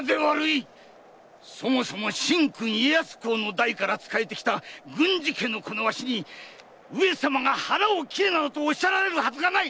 そもそも神君家康公の代から仕えてきた郡司家のこのわしに上様が腹を切れなどとおっしゃられるはずがない！